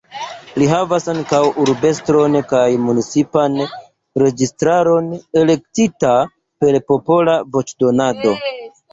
Ii havas ankaŭ urbestron kaj municipan registaron, elektita per popola voĉdonado.